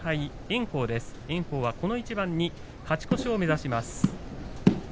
炎鵬は、この一番に勝ち越しを目指します。